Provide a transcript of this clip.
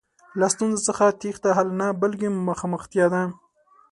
له ستونزو څخه تېښته حل نه، بلکې مخامختیا ده.